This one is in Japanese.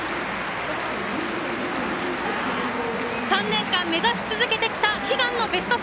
３ 年間、目指し続けてきた悲願のベスト４。